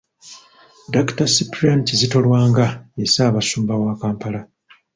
Dr. Ciprian Kizito Lwanga ye Ssaabasumba wa Kampala.